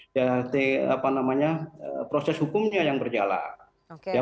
jadi apa namanya proses hukumnya yang berjalan